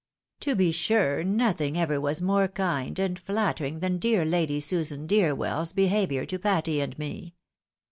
" To be sure nothing ever was more kind and flattering than dear Lady Susan DeerweU's behaviour to Patty and me.